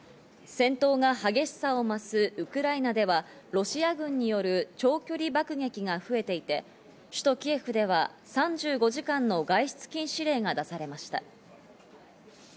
戦闘が激しさを増すウクライナではロシア軍による長距離爆撃が増えていて、首都キエフでは３５時間の外出禁止令が出されました。